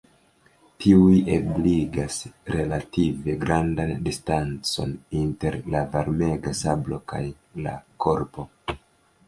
Tiuj ebligas relative grandan distancon inter la varmega sablo kaj la korpo.